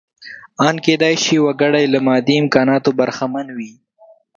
ان کېدای شي وګړی له مادي امکاناتو برخمن وي.